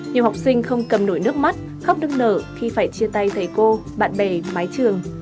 nhiều học sinh không cầm nổi nước mắt khóc nưng nở khi phải chia tay thầy cô bạn bè mái trường